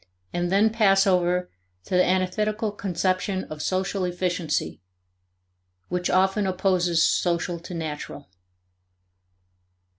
91); and then pass over to the antithetical conception of social efficiency, which often opposes social to natural.